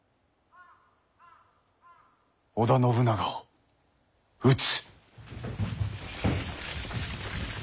織田信長を討つ。